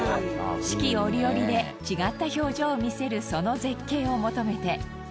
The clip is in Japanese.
四季折々で違った表情を見せるその絶景を求めて。